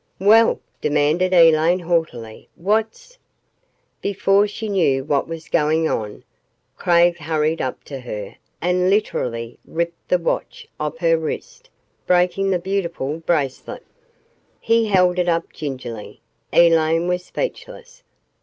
"Well," demanded Elaine haughtily, "what's " Before she knew what was going on, Craig hurried up to her and literally ripped the watch off her wrist, breaking the beautiful bracelet. He held it up, gingerly. Elaine was speechless.